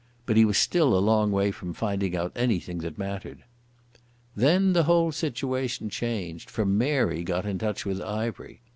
But he was still a long way from finding out anything that mattered. Then the whole situation changed, for Mary got in touch with Ivery.